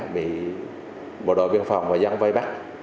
bị bộ đội biên phòng và dân vây bắt